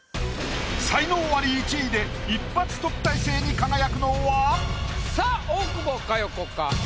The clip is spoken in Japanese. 才能アリ１位で１発特待生に輝くのは⁉さあ大久保佳代子か？